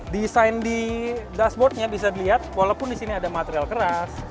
desain di dashboardnya bisa dilihat walaupun di sini ada material keras